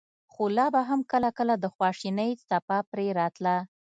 خو لا به هم کله کله د خواشينۍڅپه پرې راتله.